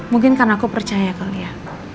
mungkin karena aku percaya kali ya